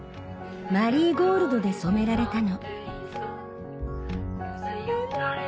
マリーゴールドで染められたの。